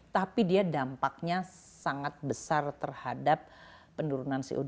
tapi dia dampaknya sangat besar terhadap penurunan co dua